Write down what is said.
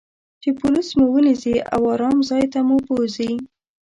چې پولیس مو و نییسي او آرام ځای ته مو بوزي.